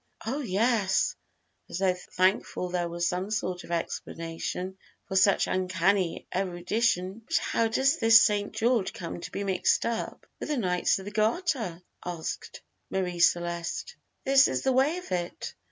"Oh, yes," as though thankful there was some sort of explanation for such uncanny erudition. "But how does this St. George come to be mixed up with the Knights of the Garter?" asked Marie Celeste. "This is the way of it.